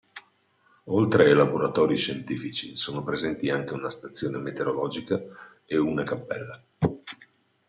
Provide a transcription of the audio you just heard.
Oltre ai laboratori scientifici, sono presenti anche una stazione meteorologica ed una cappella.